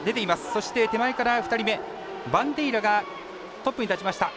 そして、手前から２人目バンデイラがトップに立ちました。